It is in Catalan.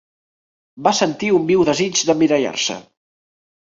Va sentir un viu desitj d'emmirallar-se.